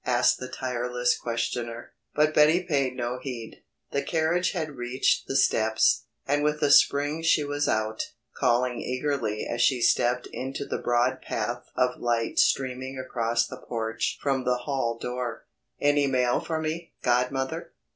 asked the tireless questioner, but Betty paid no heed. The carriage had reached the steps, and with a spring she was out, calling eagerly as she stepped into the broad path of light streaming across the porch from the hall door, "Any mail for me, godmother?"